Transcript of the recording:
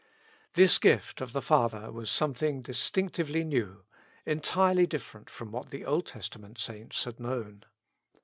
This gift of the Father was something dis tinctively new, entirely different from what Old Testament saints had known.